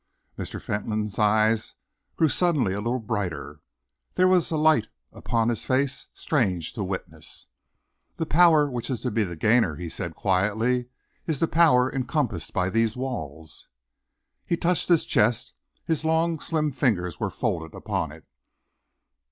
Mr. Fentolin's eyes grew suddenly a little brighter. There was a light upon his face strange to witness. "The power which is to be the gainer," he said quietly, "is the power encompassed by these walls." He touched his chest; his long, slim fingers were folded upon it.